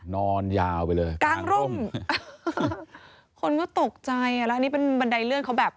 นอนยาวไปเลยกลางร่มคนก็ตกใจอ่ะแล้วอันนี้เป็นบันไดเลื่อนเขาแบบ